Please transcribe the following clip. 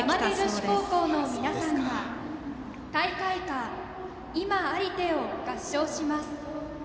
神戸山手女子高校の皆さんが大会歌「今ありて」を合唱します。